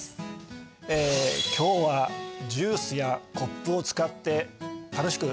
今日はジュースやコップを使って楽しくできましたか？